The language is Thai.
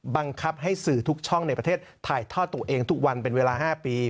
บังคับให้สื่อทุกช่องในประเทศถ่ายทอดตัวเองทุกวันเป็นเวลา๕ปี